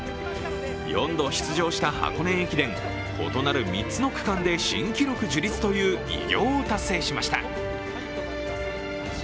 ４度出場した箱根駅伝異なる３つの区間で新記録樹立という偉業を達成しました。